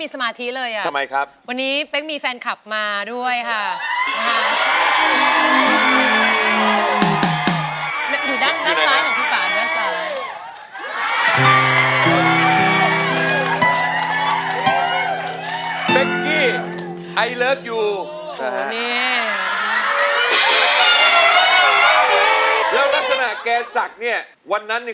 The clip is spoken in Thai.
สวัสดีนายเบียงคุณไงสบายดี